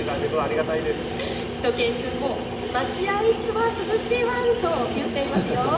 しゅと犬くんも待合室は涼しいワンと言っていますよ。